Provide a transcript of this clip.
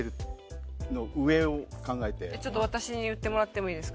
ちょっと私に言ってもらってもいいですか？